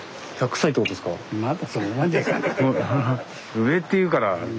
「上」って言うから。